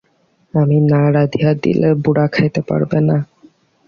আমি না রাঁধিয়া দিলে বুঢ়া খাইতে পাইবে না।